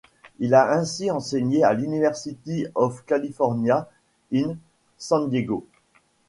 Il a ainsi enseigné à l'University of California in San Diego.